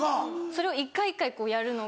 それを一回一回こうやるのが。